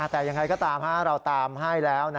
แต่ยังไงก็ตามเราตามให้แล้ว